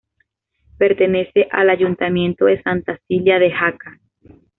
Pertenece al ayuntamiento de Santa Cilia de Jaca.